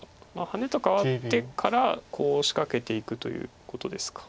ハネと換わってからコウを仕掛けていくということですか。